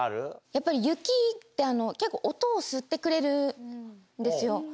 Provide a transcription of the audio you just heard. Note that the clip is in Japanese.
やっぱり雪って、結構音を吸ってくれるんですよ。